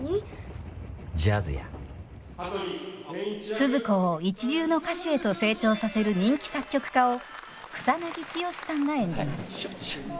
スズ子を一流の歌手へと成長させる人気作曲家を草剛さんが演じます。